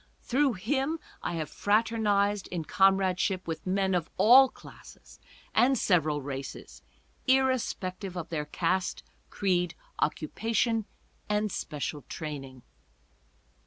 Through him I have fraternized in comradeship with men of all classes and several races, irrespec tive of their caste, creed, occupation and special training.